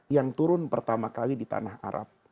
yang turun pertama kali di tanah arab